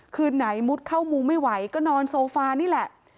คืนไหนมุดเข้ามุงไม่ไหวก็นอนโซฟานี่แหละ